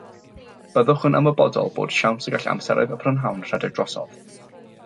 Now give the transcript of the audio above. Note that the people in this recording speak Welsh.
Byddwch yn ymwybodol bod siawns y gall amseroedd y prynhawn rhedeg drosodd